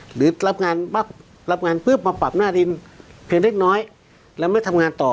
หรือรับงานปั๊บรับงานปุ๊บมาปรับหน้าดินเพียงเล็กน้อยแล้วไม่ทำงานต่อ